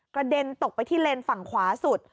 กระเด็นตกไปที่เลนส์ฝั่งขวาสุด